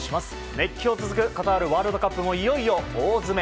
熱狂が続くカタールワールドカップもいよいよ大詰め。